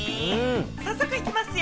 早速いきますよ。